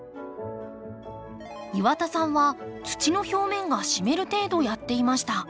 岩田さんは土の表面が湿る程度やっていました。